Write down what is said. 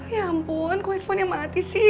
ya ampun kok handphonenya mati sih